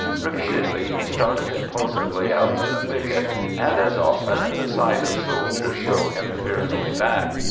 Repeatedly he started impulsively out from the thicket, and as often the sight of soldiers drove him fearfully back.